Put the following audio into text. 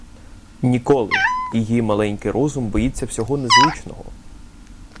Ніколи, її маленький розум боїться всього незвичного.